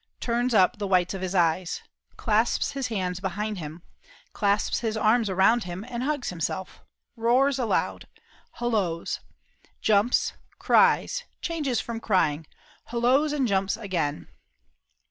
Turns up the whites of his eyes. Clasps his hands behind him. Clasps his arms around him, and hugs himself. Roars aloud. Holloas. Jumps. Cries. Changes from crying. Holloas and jumps again."